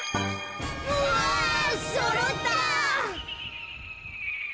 うわそろった！